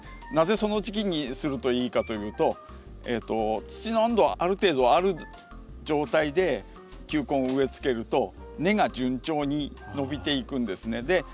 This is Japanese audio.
なぜその時期にするといいかというと土の温度ある程度ある状態で球根を植えつけると根が順調に伸びていくんですね。